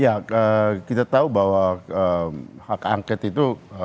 ya kita tahu bahwa hak angket itu